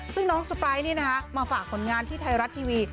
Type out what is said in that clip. ซึ่งน้องสปายนี่นะคะมาฝากผลงานที่ไทยรัฐทีวี